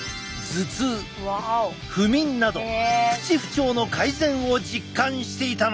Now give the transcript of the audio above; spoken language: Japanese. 頭痛不眠などプチ不調の改善を実感していたのだ。